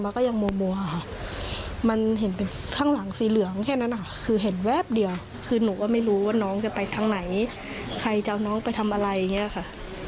ข้างหลังสีเหลืองแค่นั้นค่ะคือเห็นแวบเดียวคือหนูก็ไม่รู้ว่าน้องจะไปทางไหนใครจะเอาน้องไปทำอะไรพี่นี้ค่ะ